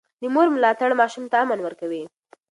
د مور ملاتړ ماشوم ته امن ورکوي.